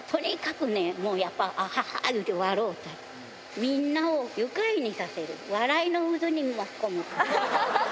とにかくね、もうやっぱ、あははっいうてわろうて、みんなを愉快にさせる、笑いの渦に巻き込む。